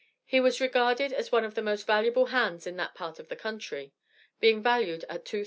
He was regarded as one of the most valuable hands in that part of the country, being valued at $2,000.